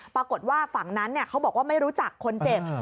ปรากฏว่าฝั่งนั้นเขาบอกว่าไม่รู้จักคนเจ็บ